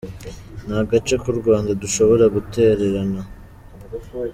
Nta gace k’u Rwanda dushobora gutererana.